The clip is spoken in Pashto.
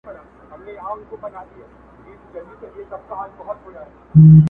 تا به د پی مخو صدقې ته زړه راوړی وي!!